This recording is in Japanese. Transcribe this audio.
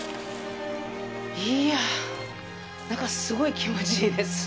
いやぁ、なんか、すごい気持ちいいです。